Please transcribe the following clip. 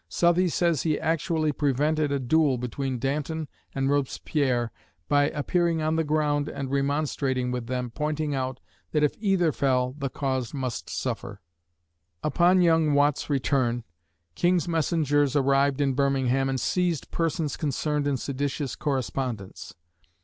Southey says he actually prevented a duel between Danton and Robespierre by appearing on the ground and remonstrating with them, pointing out that if either fell the cause must suffer. Upon young Watt's return, king's messengers arrived in Birmingham and seized persons concerned in seditious correspondence.